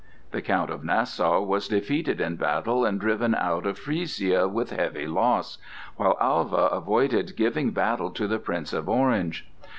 The Count of Nassau was defeated in battle and driven out of Frisia with heavy loss, while Alva avoided giving battle to the Prince of Orange.